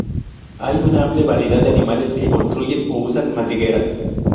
Hay una amplia variedad de animales que construyen o usan madrigueras.